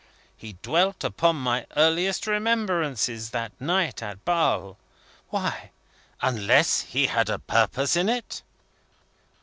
He dwelt upon my earliest remembrances, that night at Basle. Why, unless he had a purpose in it?"